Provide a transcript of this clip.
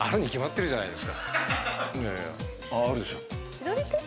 左手？